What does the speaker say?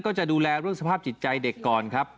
จะดูแลเรื่องสภาพจิตใจเด็กก่อนครับ